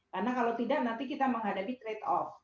karena kalau tidak nanti kita menghadapi trade off